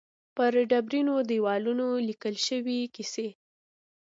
پر ډبرینو دېوالونو لیکل شوې کیسې.